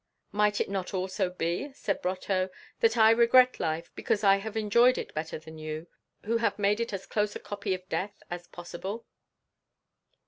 "Might it not also be," said Brotteaux, "that I regret life because I have enjoyed it better than you, who have made it as close a copy of death as possible?"